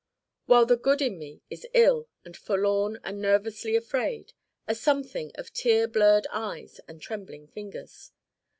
While the good in me is ill and forlorn and nervously afraid a something of tear blurred eyes and trembling fingers.